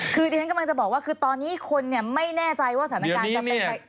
คือที่ฉันกำลังจะบอกว่าคือตอนนี้คนเนี่ยไม่แน่ใจว่าสถานการณ์จะเป็นยังไง